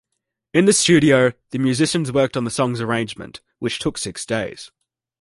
In the studio, the musicians worked on the song's arrangement, which took six days.